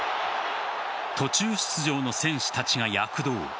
途中出場の選手たちが躍動。